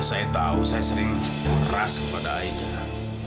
saya tahu saya sering berkeras kepada aida